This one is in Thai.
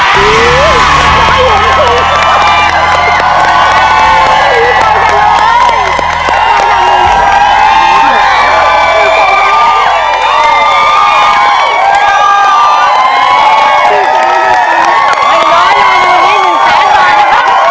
ทุกคนกันเลย